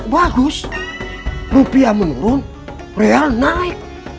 bagus rupiah menurun real naik